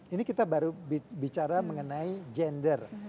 ini kita baru bicara mengenai gender